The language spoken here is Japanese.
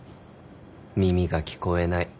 耳が聞こえない。